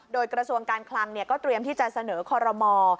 โดยกระทรวงการคลังเนี่ยก็เตรียมที่จะเสนอคอลโลมอล์